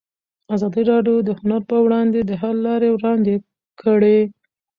ازادي راډیو د هنر پر وړاندې د حل لارې وړاندې کړي.